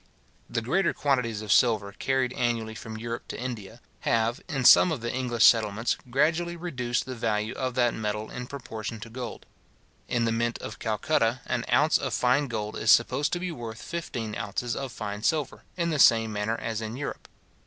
The great quantities of silver carried annually from Europe to India, have, in some of the English settlements, gradually reduced the value of that metal in proportion to gold. In the mint of Calcutta, an ounce of fine gold is supposed to be worth fifteen ounces of fine silver, in the same manner as in Europe.